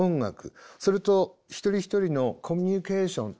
それと一人一人のコミュニケーション